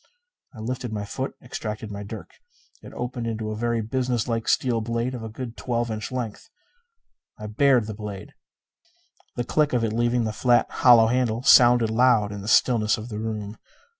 I lifted my foot; extracted my dirk. It opened into a very businesslike steel blade of a good twelve inch length. I bared the blade. The click of it leaving the flat, hollow handle sounded loud in the stillness of the room.